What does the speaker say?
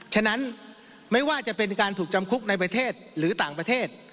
ฉะนั้นไม่ว่าจะเป็นการถูกจำคุกในประเทศหรือต่างประเทศ